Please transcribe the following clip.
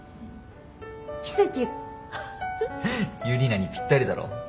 ユリナにぴったりだろ。